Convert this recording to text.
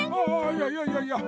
いやいやいやいや。